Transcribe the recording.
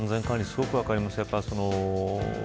すごく分かります。